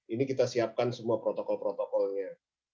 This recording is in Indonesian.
ini kita siapkan semua protokol protokolnya